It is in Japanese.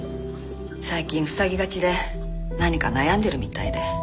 最近塞ぎがちで何か悩んでるみたいで。